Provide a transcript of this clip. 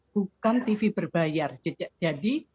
bukan tv berbayar jadi